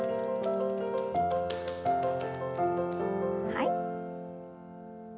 はい。